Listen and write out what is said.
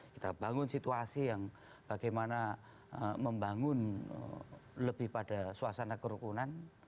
kita bangun situasi yang bagaimana membangun lebih pada suasana kerukunan